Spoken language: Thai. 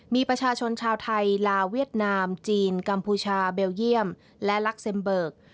มีประชาชนชาวไทยลาวเวียดนามจีนกัมพูชาเบลเยี่ยมและลักเซมเบิก